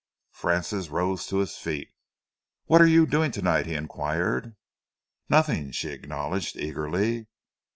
Francis rose to his feet. "What are you doing to night?" he enquired. "Nothing," she acknowledged eagerly.